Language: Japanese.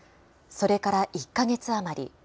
それから１か月余り。